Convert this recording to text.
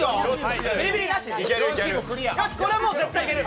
これは絶対いける！